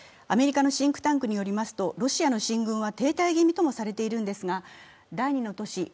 アメリカのシンクタンクによりますとロシアの進軍は停滞気味ともされているんですが、第２の都市